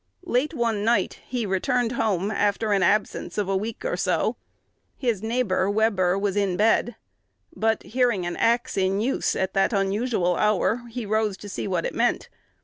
Late one night he returned home, after an absence of a week or so. His neighbor, Webber, was in bed; but, hearing an axe in use at that unusual hour, he rose to see what it meant.